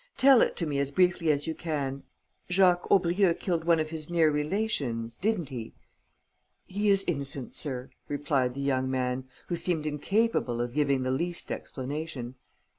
"Tell it to me as briefly as you can. Jacques Aubrieux killed one of his near relations, didn't he?" "He is innocent, sir," replied the young man, who seemed incapable of giving the least explanation.